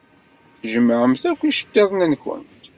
Tjemɛemt akk iceṭṭiḍen-nkent?